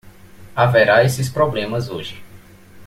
Haverá esses problemas hoje.